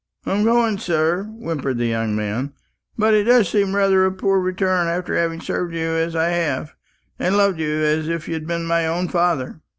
"I'm going, sir," whimpered the young man; "but it does seem rather a poor return after having served you as I have, and loved you as if you'd been my own father."